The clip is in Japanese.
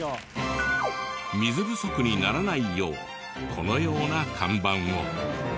水不足にならないようこのような看板を。